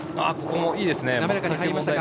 ここもいいですね。